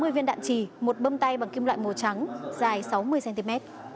một trăm tám mươi viên đạn trì một bơm tay bằng kim loại màu trắng dài sáu mươi cm